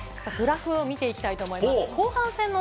グラフを見ていきたいと思います。